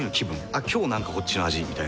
「あっ今日なんかこっちの味」みたいな。